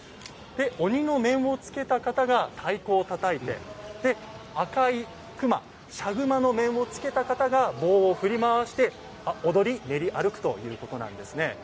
鬼の面をつけた方が太鼓をたたいて赤い熊「赤熊」の面をつけた方が棒を振り回して踊り練り歩くということなんです。